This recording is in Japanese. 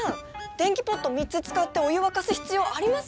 電気ポット３つ使ってお湯沸かす必要あります？